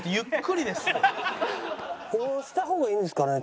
こうした方がいいんですかね？